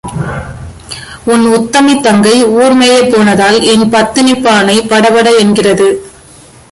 உன் உத்தமித் தங்கை ஊர் மேயப் போனதால் என் பத்தினிப் பானை படபட என்கிறது.